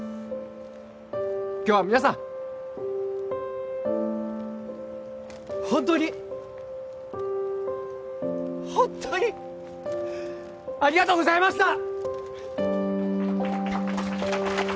今日は皆さん本当に本っ当にありがとうございました！